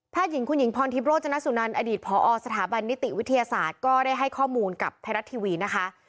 หญิงคุณหญิงพรทิพย์โรจนสุนันอดีตผอสถาบันนิติวิทยาศาสตร์ก็ได้ให้ข้อมูลกับไทยรัฐทีวีนะคะ